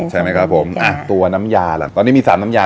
ใช่มั้ยครับผมอะตัวน้ำยาตอนนี้มี๓น้ำยา